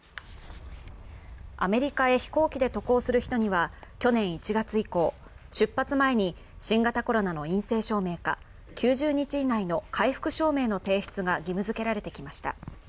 アメリカへ飛行機で渡航する人には去年１月以降、出発前に新型コロナの陰性証明か９０日以内の回復証明の提出が義務づけられてきました。